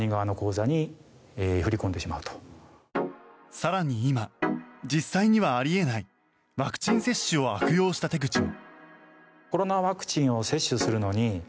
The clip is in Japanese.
更に今、実際にはあり得ないワクチン接種を悪用した手口も。